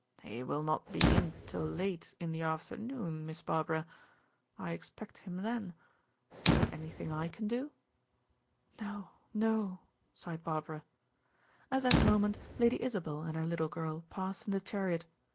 "He will not be in till late in the afternoon, Miss Barbara. I expect him then. Is it anything I can do?" "No, no," sighed Barbara. At that moment Lady Isabel and her little girl passed in the chariot.